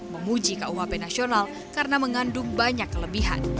memuji kuhp nasional karena mengandung banyak kelebihan